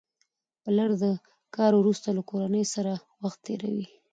پلر د کار وروسته له کورنۍ سره وخت تېروي